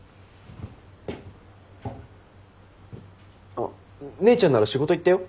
あっ姉ちゃんなら仕事行ったよ。